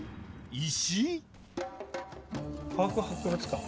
石？